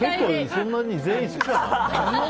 そんなに全員好きかな？